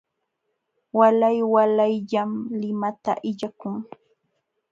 Waalay waalayllam limata illakun.